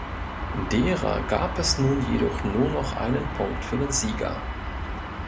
Derer gab es nun jedoch nur noch einen Punkt für den Sieger.